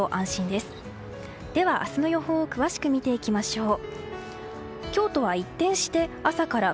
では、明日の予報を詳しく見ていきましょう。